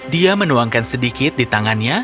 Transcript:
dia menuangkan sedikit di tangannya